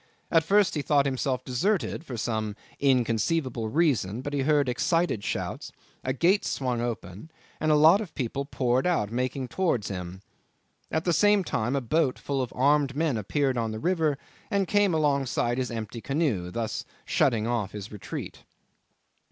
At first he thought himself deserted for some inconceivable reason, but he heard excited shouts, a gate swung open, and a lot of people poured out, making towards him. At the same time a boat full of armed men appeared on the river and came alongside his empty canoe, thus shutting off his retreat.